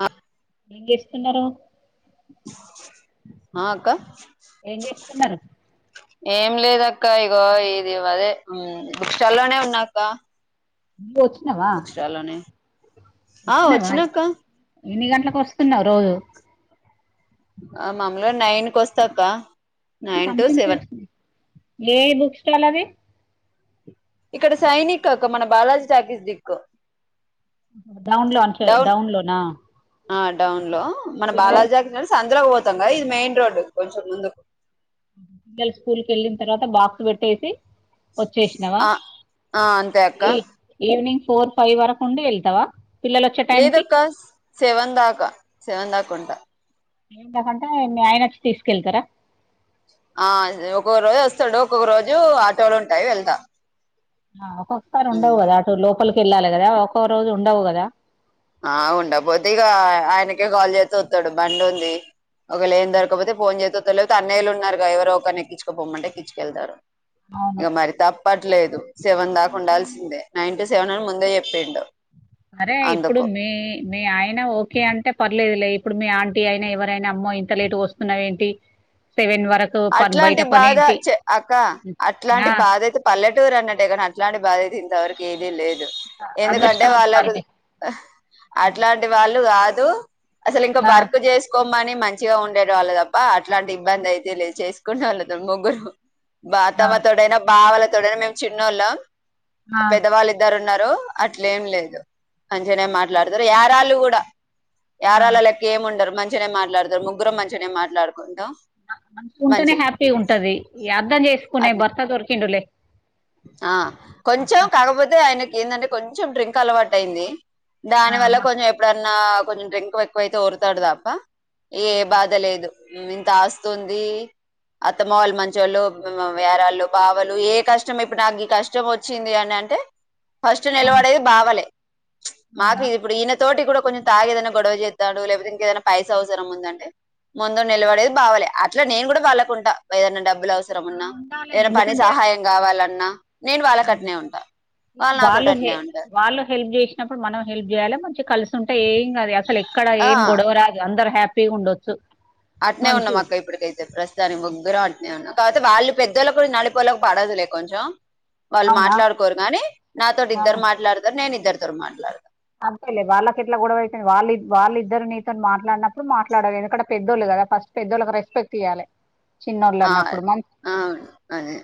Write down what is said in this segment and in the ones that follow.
ఆ ఏం చేస్తున్నారు ఆ అక్క ఏం చేస్తున్నారు ఏం లేదక్క ఇగో ఇది అదే ఉం బుక్ స్టాలోనే ఉన్నాక్క నువ్వు వచ్చినవా బుక్ స్టాల్ లోనే ఆ వచ్చినవా వచ్చినక్క ఎన్ని గంటలకు వస్తున్నావు రోజు ఆ మామూలుగా నైన్కి వస్తాక్క అది నైన్ టు సెవెన్ పంపించాల్సింది ఏ బుక్ స్టాల్ అది ఇక్కడ సైనిక్ అక్క మన బాలాజీ టాకీస్ దిక్కూ డౌన్ లో అంటే డౌన్ లోనా ఆ డౌన్ లో మన బాలాజాకి సందలో పోతాం కదా ఇది మెయిన్ రోడ్డు కొంచెం ముందుకు పిల్లలు స్కూల్ కి వెళ్ళిన తర్వాత బాక్స్ పెట్టేసి వచ్చేసినావా ఆ ఆ అంతే అక్క ఈ ఈవినింగ్ ఫోర్ ఫైవ్ వరకు ఉండి వెళ్తావా పిల్లలు వచ్చే టైంకి లేదక్క సెవన్ దాకా సెవన్ దాకా ఉంటా ఏందుకంటే మీ ఆయన వచ్చి తీసుకెళ్తారా ఆ ఒక్కొక్క రోజు వస్తాడు ఒక్కొక్క రోజు ఆటోలు ఉంటాయి వెళ్తా ఆ ఒక్కొక్కసారి ఉండవు కదా అటు లోపలికి వెళ్ళాలి కదా ఒక్కో రోజు ఉండవు కదా ఆ ఉండకపోతే ఇక ఆయనకే కాల్ చేస్త వస్తాడు బండి ఉంది ఒకేళ ఏం ఆ, దొరకపోతే ఫోన్ చెత్తే వత్తడు లేకపోతే అన్నయ్యలు ఉన్నారుగా ఎవరు ఒకరినిక్కిచ్చుకోపోమ్మంటేచుకెళ్తారు అవును ఇక మరి త తప్పట్లేదు సెవెన్ దాకా ఉండాల్సిందే నైన్ టు సెవెన్ అని ముందే చెప్పిండు అరే ఇప్పుడు అందుకు మీ మీ ఆయన ఓకే అంటే పర్లేదు లే ఇప్పుడు మీ ఆంటీ అయినా ఎవరైనా అమ్మో ఇంత లేటు వస్తున్నావేంటి సెవెన్ వర అట్లాంటి బాధ చె అక్క హ్మ్. ఆ! అట్లాంటి బాధ అయితే పల్లెటూరు అన్నట్టే కానీ అట్లాంటి బాధ్యత ఇంతవరకి ఏది లేదు ఎందుకంటే వాళ్ళకు అదృష్టవంతురాలివి. ఆహ్ అట్లాంటి వాళ్ళు కాదు అసలు ఇంక ఆ! వర్క్ చేస్ కోమని మంచిగా ఉండే వాళ్ళ తప్ప అట్లాంటి ఇబ్బంది అయితే లేదు చేసుకుంటే వాళ్ళ ముగ్గురు బ ఆ! తమ్మ తోడైనా బావాలతోడైనా మేము చిన్నోళ్ళం ఆ! పెద్దవాళ్ళు ఇద్దరు ఉన్నారు అట్లేం లేదు మంచేనే మాట్లాడతారు యారాళ్ళు కూడా ఆ! యారాళ్ళు లెక్క ఏమిముండరు మంచిగానే మాట్లాడతారు ముగ్గురు మంచిగానే మాట్లాడుకుంటాం మంచిగుంటేనే మంచి హ్యాపీ ఉంటది అర్ధం చేసుకునే అట్నే భర్త దొరికిండు లే ఆ కొంచెం కాకపోతే ఆయనకి ఏందంటే కొంచెం డ్రింక్ అలవాటు అయింది ఆ! దాని వల్ల మా కొంచెం ఎప్పుడన్నా కొంచెం డ్రింక్ ఎక్కువయితే వొరుతడు తప్ప ఏ ఆ! బాధ లేదు ఇంత ఆస్తుంది అత్తమ్మ వాలు మంచోళ్ళు యారాళ్ళు బావలు ఏ కష్టం కష్టం ఇప్పుడు నాకు ఈ కష్టం వచ్చింది అని అంటే ఫస్ట్ ఆ! నిలవడేది బావలే అవునా? మాఫీ ఇప్పుడు ఇన తోటి కూడా కొంచం తాగి ఏదైన గొడవ చేస్తాడు లేకపోతే ఇంకేదైనా పైస అవసరం ఉందంటే ముందు నిలవడేది బావలె అట్ల నేను కూడా వాళ్ళకుంటా ఏదయినా డబ్బులు అవస సరం ఆ! ఉన్నా ఉండాలే. ఏదనా పని ఎందుకంటే సహాయం కావాలన్నా నేను హ్మ్. వాళ్ళకట్నే ఉంటా ఇప్పుడు వాళ్ళు నాతోటి హె అట్నే ఉంటరు వాళ్ళు హెల్ప్ చేసి అప్పుడు మనం హెల్ప్ చేయాలి మంచిగా కలిసి ఉంటే ఏం కాదు అసలు ఎక్కడ ఆ ఏం గొడవ రాదు అందరు హ్యాపీగా ఉండొ చ్చు అట్నే ఉన్నాం అక్క ఇప్పటికైతే ప్రస్ తానికి ముగ్గురుం అట్నే ఉన్నాం కాకపోతే వాళ్ళ పెద్దోళ్ళకు నడిపోళ్ళకు పడదులే కొంచెం వాళ్ళు అవునా మాట్లాడుకోరుగాని నాతోటి ఆ ఇద్దరు మాట్లాడతారు నేను ఇద్దరితో మాట్లాడతా అంతేలే వాళ్ళకె ఎట్లా గొడవైతెంది వాళ్ళు వాళ్ళ ఇద్దరు నీతో మాట్లాడినప్పుడు మాట్లాడాలి ఎందుకంట పెద్దోళ్ళు కదా ఫస్ట్ పెద్దోళ్ళలకు రెస్పెక్ట్ ఇయ్యాలే ఆ, చిన్నోళ్ళన్నప్పుడు మంచి ఆ, అదే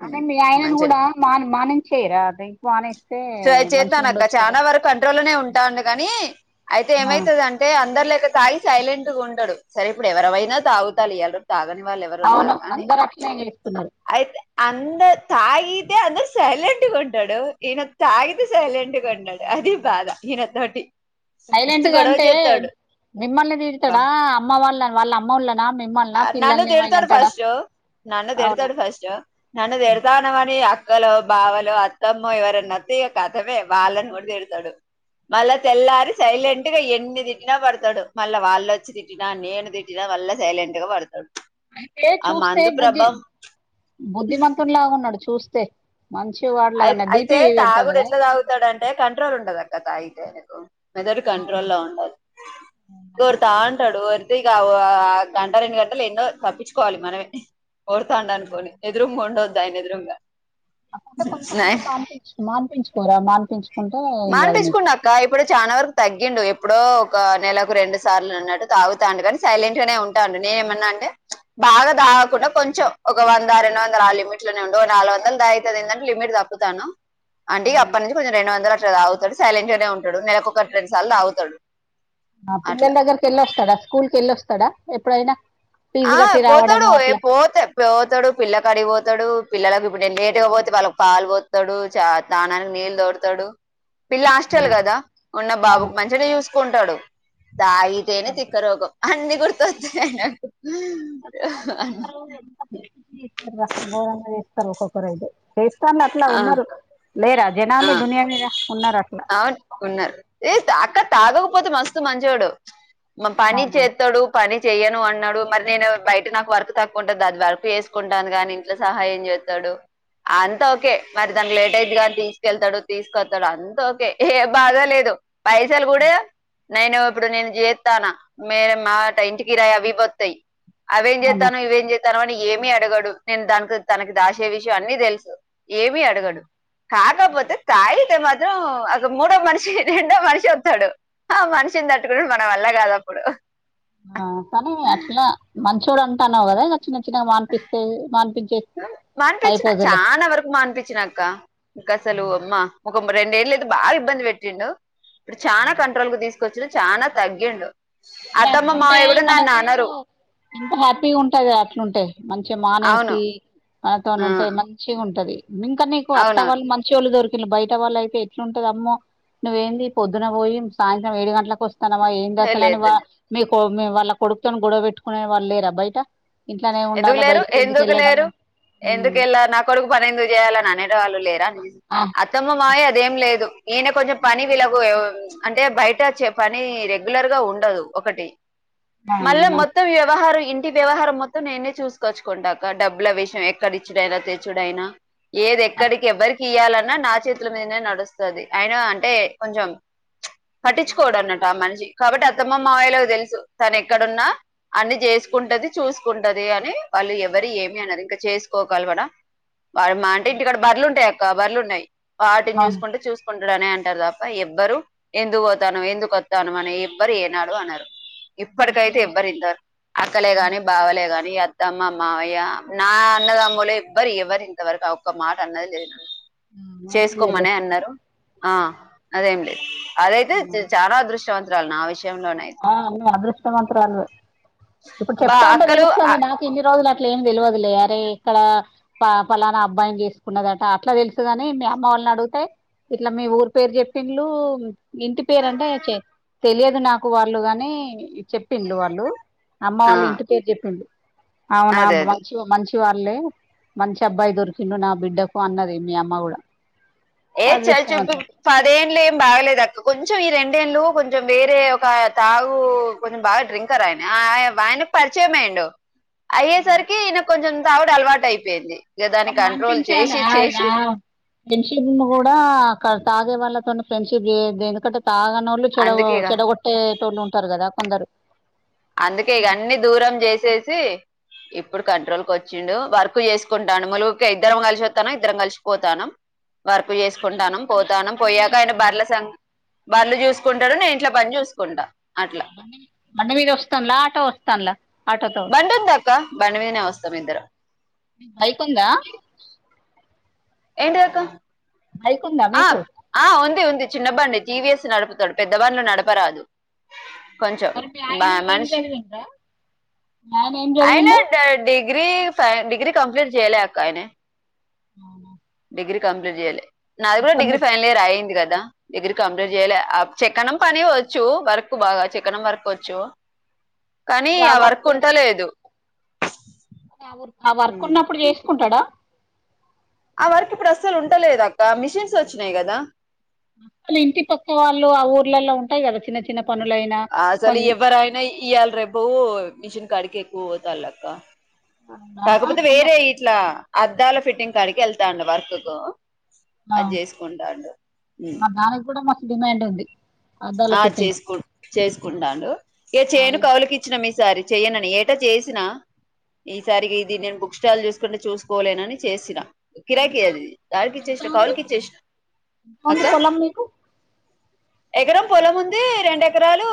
కాని ఉమ్, మీ ఆయనను మంచిది కూడా మాన్ మానించేయి రా డ్రింక్ మానేస్తే ట్రై మంచిగా చేస్తానక్క ఉండొచ్చు కదా చాలా వరకు కంట్రోల్లోనే ఉంటాండు గాని అయితే ఆ ఏమయితది అం అంటే అందరులేక తాగి సైలెంట్ గా ఉండడు సరే ఇప్పుడు ఎవరవైనా తాగుతాండ్లు ఇయ్యాల్ రేపు తాగని వాళ్ళు ఎవరు అవును ఉన్నారు కానీ అందరు అట్లనే చేస్తున్నారు అయితే అంద తాగితే అందరు సైలెంట్ కుంటాడు ఈయన తాగితే సైలెంట్గా ఉండడు అది బాధ ఈయనతోటి మస్తు సైలెంట్ గా గొడవ అంటే చేస్తాడు మిమ్మల్ని బా తీరుతాడా అమ్మ వాళ్ళ వాళ్ళ అమ్మ వాళ్ళనా మీ నన్ను దిడతాడు ఫస్ట్ నన్ను అవునా తిడతాడు ఫస్ట్ నన్ను తిడతానావని అక్కలు బావలో అత్తమ్మో ఎవరన్న వత్తే కతమే వాళ్ళని కూడా తిడతాడు మళ్ళా తెల్లారి సైలెంట్ గా ఎన్ని తిట్టిన పడతాడు మళ్ళా వాళ్ళు వచ్చి తి నేను తిట్టిన మల్ల సైలెంట్గా పడతడు అంటే చూస్తే బుద్ధి బుద్ధిమతుంలాగున్నాడు చూస్తే మంచి అయి వాడిలాగా అయితే డిపి పెడతావు తాగుడు కదా ఎట్లా తాగుతాడంటే కంట్రోల్ ఉండదక్క తాగితే ఆయనకు మెదడు కంట్రోల్ లో ఉండదు ఓరుతా ఉంటాడు ఒ ఇగ గంట రెండు గంటలు ఎన్నో తప్పించుకోవాలి మనమే ఓరుతాండనుకోని ఇదరం ఉండదు ఆయన ఎదురుంగా అక్కంటే కొంచెం నాయన కొంచం మాపించ మానిపించుకోరా మానిపించు మానిపించుకునాక్ ఇంకా ఇప్పుడు చాలా వరకు తగ్గిండు ఎప్పుడో ఒక నెలకు రెండు సార్లు అన్నట్టు తాగుతాండు కానీ సైలెంట్ గానే ఉంటాడు నేను ఏమన్నా అంటే బాగా తాగకుండాంచెం ఒక వంద ఆ రెండు బాగా తాగకుండా కొంచెం ఒక వంద రెండు వందల ఆ లిమిట్ లోనే ఉండడు నాలుగు వందలు దాగితే అదేంటిదంటే లిమిట్ లిమిట్ దప్ తాను అంటిగ అప్పటి నుంచి కొంచెం రెండు వందల అట్ ఇంత తాగుతడు సైలెట్ గానే ఉంటాడు నెలక ఒకటి రెండు సార్లు తవుతాడు ఆ పిల్ల దగ్రికి వెళ్ళి వస్తాడా స్కూల్ కి వెళస్తాడా ఎప్పుడైనా ఫీజు ఆ కట్టి పోతాడు రావడము ఏ అట్లా పోతే పోతాడు పిల్ల కాడికిపోతాడు పిల్లలకు ఇప్పుడు లేేటుగా పోతే వాళ్ళకి పాలు పోతాడు చా స్నాననికి నీళ్ళు దోడతాడు పిల్ల హాస్టల్ కదా ఉన్న అవును బాబుకు మంచినే చూసుకుంటాడు తాగితేనే తిక్క రోగం అన్ని గుర్తొస్తాయి ఆయనకు గోరంగ ఏస్తారు ఒక్కొక్కరయితే చేతండ్లు అట్లా ఆ ఉన్నారు లేరా జనాలు ఆ దునియా మీద ఉన్నారు అట్లా అవును ఉన్నారు ఏ అక్క తాగకపోతే మస్తు మంచోడు మా పని అవునా చేస్తాడు పని చెయను అనడు మరి నేను బయట నాకు వర్క్ తక్కువ ఉంటాది అది వర్క్ చేేసుకుంటాను గాని సహాయం చేస్తాడు అన్ అంత ఓకే మరి దానికి లేట్ అయితదీ కానీ తీసుకెళ్తాడు తీసుకొస్తాడు అంత ఓకే ఏ బాదా లేదు పైసలు కూడా నేను ఇప్పుడు నేను చేస్తాన మే మాట ఇంటికి రాయి అవి ఇవి వతాయి అవేం అవునా చేస్తానవ్ ఇవేం చేస్త తనవని ఏమీ అడగడు నేను దానికి తనకి దాసే విషయం అన్నీ తెలుసు ఏమి అడగడు కాకపోతే తాగీతె మాత్ మాతం ఒక మూడో మనిషి రెండో మనిషి వస్తాడు ఆ మనిషిని తట్టుకొనుడు మన వల్ల కాదు అప్పుడు ఆ కానీ అట్లా మంచోడు అంటాన్నావు కదా ఇగ చిన్న చిన్నగా మానిపిస్తే మానిపించేస్తే అయిపొద్ది లే చానా వరకు మానిపిచినక్క గసలు అమ్మ ఒక మా రెండేళ్ల అయితే బా ఇబ్బంది పెట్టిండు ఇప్పుడు చాలా కంట్రోల్ కు తీసుకొచ్చడు చానా తగ్గిండు అంటే అత్తమ్మ అట్లుంటే మావయ్య కూడా మనకు నన్ననరు ఎంత హ్యాపీగా ఉంటాది అట్లుంటే మంచిగా అవును మానేసి మనతోని ఆ, ఉంటే మంచి మంచిగా ఉంటంది ఇంకా నీ అత్త అవునవును వాళ్ళు మంచి వాళ్ళు దొరుకు లు బయట వాళ్ళ అయితే ఎట్లుంటద అమ్మో నువ్వ ఏంది పొద్దున పోయి సాయంత్రం ఏడు గంటలకు వస్ స్తనవా ఏంటి ఏ అసలు అని వా లేదు మీకు వాళ్ళ కొడుకు తోని గొడవ పెట్టుకునే వాళ్ళు లేరా బయట ఇంట్లోనే ఎందుకు ఉండాలా లేరు బయటికి ఎందుకు వెళ్ళడం లేరు అని ఉమ్ ఎందుకెళ్ళ నా కొడుకు పని ఎందుకు చేయాలని అనేట వాళ్ళు లేరా అత్ ఆ అత్తమ మామయ అదేం లేదు ఈయనే కొంచెం పని వీలగు ఏ అంటే బయట వచ్చే పని రెగ్యులర్ గా ఉండదు ఒకటి ఆ ఆ, మళ్ళా మొత్తం వ్యవహారం ఇంటి వ్యవహారం మొత్ తో నేనే చూసుకోచ్చుకుంటాక డబ్బుల విషయం ఎక్కడ ఇచ్చుడైనా తెచ్చుడైనా ఏది ఎక్కడికి ఎవరికి ఇయ్యాలన్నా నా చేతుల మీదనే నడుస్తది అయినా అంటే కొంచెం పట్టించుకోడు అన్నట్టు ఆ మనిషి కాబట్టి అత్తమ్మ మావయలకు తెలుసు తను ఎక్కడున్నా అన్ని చేసుకుంటది చూసుకుంటది అని వాళ్ళు ఎవరి ఏమి అనరు ఇంకా చేసుకోకలపన వా మా అంటే ఇంటి కాడ బర్లు ఉంటాయి అక్క బర్రెలు ఉన్నాయి వాటిని అవును చూసుకుంటే చూస్ కుంటాడునే అంటారు తప్ప ఎవ్వరు ఎందుకు పోతాను ఎందుకుక వస్తాను అని ఎవ్వరు ఏనాడు అనరు ఇప్పటికైతే మంచివాళ్ళే ఎవ్వరు ఇద్దారు అక్కలే గాని బావలే కాని అత్తమ్మ మామయ్య నా అన్నదామ్ములు ఎవ్వరు ఎవరు ఇంతవరకు ఒక్క మాట అన్నది లేదు మంచిదేలే చేసుకోమనే అన్నారు ఆ అదేం లేదు అదైతే నేను చాలా అదృష్టవంతురాలు నా విషయంలోనేయితే ఆ నువ్ అదృష్టవంతురాలివే ఇప్పుడు బా చెప్తా ఉంటే అక్కలు ఆ తెలుస్తుంది నాకు ఇన్ని రోజులు అట్లా ఏమి తెలియదులే అరే ఇక్కడ పలానా అబ్బాయిని చేసుకున్నదట అట్లా తెలుసుగాని మీ అమ్మ వాళ్ళని అడిగితే ఇట్లా మీ ఊరు పేరు చెప్పిన్లు ఇంటి పేరు అంటే చే తెలియదు నాకు వాళ్ళు గాని చెప్పింలు వాళ్ళు అమ్మ ఆ వాళ్ళ ఇంటి పేరు చెప్పింది అవునా అదే అదే మంచి మంచి వాళ్ళే మంచి అబ్బాయి దొరికిండు నా బిడ్డకు అన్నది మీ అమ్మ కూడా ఏ చల్ చూపియి అదృష్టవంతురాలు పదేడ్లు ఏం బాగలేదు అక్క కొంచెం ఈ రెండేండ్లు కొంచెం వేరే ఒక తాగు కొంచెం బాగా డ్రింకర్ ఆయన ఆ ఆయన పరిచయమేండో అయ్యేసరికి ఈయన కొంచెం తాగుడు అలవాటు అయిపోయింది ఇగ దాని కంట్రోల్ అనిపించాలి చేసి ఆ చేసి ఆ ఫ్రెండ్షిప్ ను కూడా తాగే వాళ్ళతో ఫ్రెండ్షిప్ చేయొద్దు ఎందుకంటే తగన్నోళ్ళు చెడో అందుకేగా చెడగొట్టే టోళ్ళు ఉంటారు కదా కొందరు అందుకే ఇగ అన్ని దూరం చేసేసి ఇప్పుడు కంట్రోల్ కు వచ్చిండు వర్క్ చేసుకుంటాడు ములుగికె ఇద్దరం కలిసి వత్తనం ఇద్దరం కలిసిపోతాను వర్క్ ఆటోలో చేసుకుంటానం వస్తాన్లా పోతాను బండి మీద పోయాక ఆయన వస్తాన్లా బర్ల సం బర్లు చూసుకుంటాడు నే ఇంట్లో పని చూసుకుంటా అట్లా బండి మీద వస్తాంలా ఆటో వస్తాంలా బండిఉందక్క బండిమీదనే వస్తాం ఇద్దరం బైకుందా ఎంటిదక్క బైక్ ఉందా మీకు ఆ ఉంది ఉంది చిన్న బండి టీవీఎస్ నడుపుతాడు పెద్ద బండ్లు నడపరాదు కొంచం మరి మీ బ ఆయన ఏం మనిష్ చదివిండు రా మీ ఆయన ఏం ఆయన చదివిండు డా డిగ్రీ ఫ డిగ్రీ కంప్లీట్ చేయ్యలే అక్క ఆయన అవు డిగ్రీ కంప్లీట్ చేయ్యాలే నాది కూడా డిగ్రీ ము- ఫైనల్ ఇయర్ అయింది కదా డిగ్రీ కంప్లీట్ చేయాలే చేక్కనం పనివ్వచ్చు వర్క్ బాగా చెక్కనం వర్క్ వచ్చు కానీ ఆ వర్క్ ఉంట లేదు ఆ వర్క్ ఉన్నప్పుడు చేసుకుంటాడా ఆ వర్క్ ఇప్పుడు అసలు ఉంటలేదు అక్క మిషిన్స్ వచ్చినాయి కదా వాళ్ళ ఇంటి పక్క వాళ్ళు ఆ ఊర్లలో ఉంటాయి కదా చిన్న చిన్న పనులయినా అసలు ఎవ్వరయినాయీ ఈయాళ్ రేపు మిషన్ కడీకే ఎక్కువ పోతలక్క ఆహా కాకపోతే కొంద వేరే ఇట్లా అద్దాల ఫిట్టింగ్ కడికి వెళ్తాండు వర్క్ కు ఆ అది చేసుకుంటాడు మా దానికి కూడా మస్తు డిమాండ్ ఉంది అద్దాల ఆ ఫిట్టింగ్ చేసుకు చేసుకుంటాడు ఇగ చేను కౌలికి ఇచ్చినం మీసారి చెయ్యనని ఏటా చేసినా ఈసారికి ఇది నేను బుక్ స్టాల్ చూసుకుంటే చూసుకోలేనని చేసినా కిరాకిీ ఎంత అది డాల్కిచి ఎంత ఇచ్చేసిన ఉంది ఎంత కౌవులుకిిచ్చిసిన ఉంది అక్కా పొలం మీకు ఎకరం పొలం ఉంది రెండు ఎకరాలు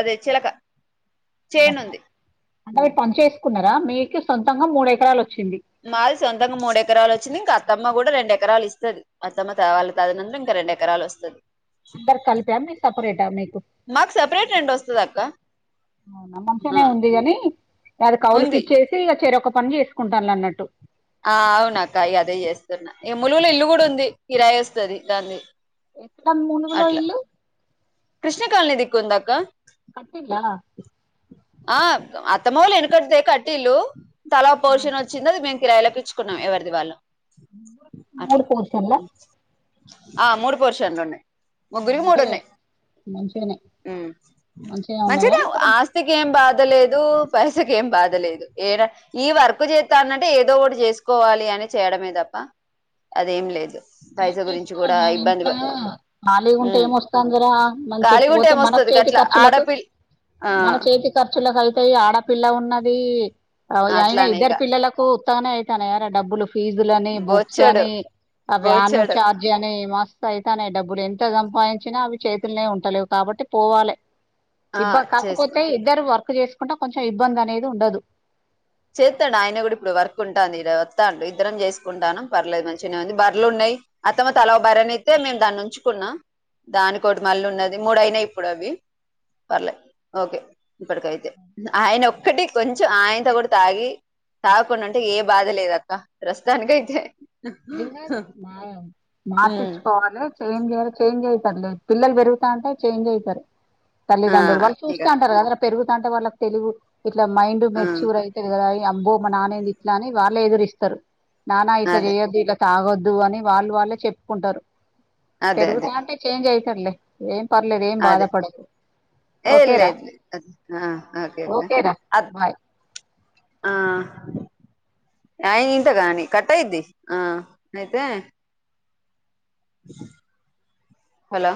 అదే చిలక చేను ఉంది అంటే మీరు పను చేసుకున్నారా మీకు సొంతంగా మూడు ఎకరాలు వచ్చింది మాది సొంతంగా మూడు ఎకరాలు వచ్చింది ఇంకా అత్తమ్మ కూడా రెండు ఎకరాలు ఇస్తది మా అతమ్మ త వాళ్ళ తదనతరం ఇంకా రెండు ఎకరాలు వస్తది అందరు కలిపా మీకు సపరేటా మీకు మాకు సపరేట్ రెండు వస్తది అక్క అవునా ఆ మంచిగానే ఉంది గాని అది కవులుకి ఉంది ఇచ్చే రు చెరోక్క పని చేసుకుంటాన్లు అన్నట్టు ఆ అవునక్క ఇగ అదే చేస్తున్నా ఈ ములుగుల ఇల్లు కూడా ఉంది కిరాయి వస్తుంది దాన్ని మునుగులో ఇల్లు కృష్ణ కాలనీ దిక్కు ఉందాక కట్టిల్ల ఆ అత్తమ్మ వాళ్ళు ఎనుకటిదే కట్టిల్లు తల పోర్షన్ వ చిన్నది మేము కిరాయిలకిచ్చుకున్నాం ఎవరిది వాళ్ళు మూడు అట్లా పోర్షన్లా ఆ మూడు పోర్షన్లు ఉన్నాయి ముగ్గురికి మూడు బెటరే ఉన్నాయి మంచిగానే మంచిగా ఉన్నదా మంచిగానే ఇప్పుడు ఆస్ స్తికి ఏం బాధలేదు పైసకి ఏం బాధలేదు ఏడా ఈ వర్క్ చేస్తా అన్నంటే ఏదో ఒకటి చేసుకోవాలి అని చేయడమే తప్ప అదేం లేదు పైసా గురించి కూడా చేసుకోవాలరా ఇబ్బంది ఇంట్లో ఖాళీగా ఉంటే ఏమొస్తుందిరా మంచిగా ఖాళీగా ఉంటే పోతే మనకు ఏమొస్తుంది చేతి గట్లా ఆడ ఖర్చులకు పిల్ మన చేతి ఖర్చులకు అయితయి ఆడపిల్ల ఉన్నది అయినా అట్లానే ఇద్దరు ఇక పిల్లలకు ఉత్తగనే అయితన్నయ్యరా డబ్బులు ఫీజులు అని బుక్స్ బొచ్చడు అని ఆ వ్యాన్ బొచ్చడు చార్ అని మస్తు అయితనే డబ్బులు ఎంత సంపాదించినా అవి చేతులనే ఉంటలేవు కాబట్టి పోవాలి ఆ ఇబ్బ చేసుకుని కాకపోతే ఇద్దరు వర్క్ చేసుకుంటే కొంచెం ఇబ్బంది అనేది ఉండదు చేస్తాండు ఆయన కూడా ఇప్పుడు వర్క్ ఉంటుంది ఇడ వస్తాండు ఇద్దరం చేసుకుంటాము పర్లేదు మంచిగానే ఉంది బర్రలు ఉన్నాయి అత్తమ్మ తల ఓ బర్రెను ఇస్తే మేము దాన్ని ఉంచుకున్నాం దానికోటి మళ్ళ ఉన్నది మూడుయినాయి ఇప్పుడు అవి పర్లే ఓకే ఇప్పుడు కయితే ఆయన ఒక్కటి కొంచెం ఆయంత కొడు తాగి తాగకుండా అంటే ఏ బాధ లేద అక్క ప్రస్తుతానికయితే ఏం కాదు మా ఉమ్ మార్పిచ్చుకోవాలి చేంజ్ చేయాలి చేంజ్ అవుతారు లేదు పిల్లలు పెరుగుతా అంటే చేంజ్ అవుతారు ఆ తల్లిదండ్రులు వాళ్ళ ఇక చూస్తారు అంటారు కదరా పెరుగుతుంట వాళ్ళకు తెలువు ఇట్లా మైండ్ ఆ మెచ్యూర్ అయి అమ్బో మా నాన్నంది ఇట్లా అని వాళ్ళే ఎదురిస్తారు నానా ఇట్లా అదే చెయొద్దు ఇట్లా తాగొద్దు అని వాళ్ళు వాళ్ళే చెప్పుకుంటారు అదే అదే పెరుగుతా అంటే చేంజ్ అవుతారులే ఏమ్ పర్లేదు ఏం అదే బాధపడకు ఏ లేదు లేదు ఆ ఓకే ఓకేరా అక్క బాయ్ ఆ ఆయన వింట దాని కట్టాయిది ఆ అయితే హలో